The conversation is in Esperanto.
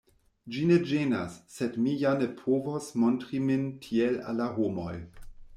Ĝi ne ĝenas; sed mi ja ne povos montri min tiel al la homoj.